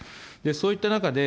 そういった中で、